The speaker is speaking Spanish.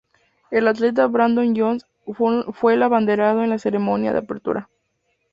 El atleta Brandon Jones fue el abanderado en la ceremonia de apertura.